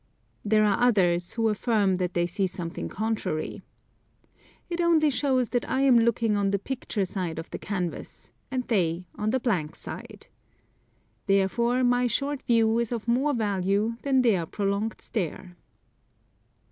There are others, who affirm that they see something contrary. It only shows, that I am looking on the picture side of the canvas, and they on the blank side. Therefore my short view is of more value than their prolonged stare.